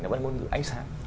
nó vẫn là ngôn ngữ ánh sáng